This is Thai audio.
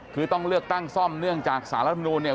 คือต้องเลือกตั้งซ่อมเนื่องจากสารรัฐมนูลเนี่ย